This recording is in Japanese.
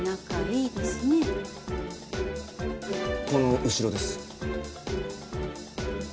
この後ろです。